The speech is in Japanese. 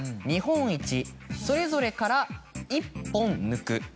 「日本一それぞれから一本抜く」。